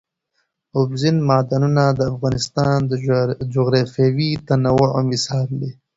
اوبزین معدنونه د افغانستان د جغرافیوي تنوع مثال دی.